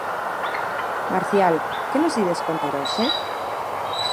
Marcial, que nos ides contar hoxe?